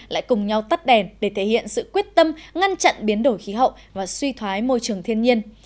lại cùng nhau tắt đèn để thể hiện sự quyết tâm ngăn chặn biến đổi khí hậu và suy thoái môi trường thiên nhiên